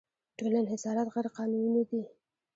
ټول انحصارات غیرقانوني نه دي.